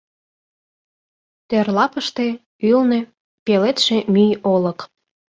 Тӧр лапыште, ӱлнӧ — Пеледше мӱй олык.